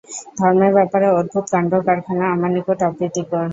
ধর্মের ব্যাপারে অদ্ভুত কাণ্ডকারখানা আমার নিকট অপ্রীতিকর।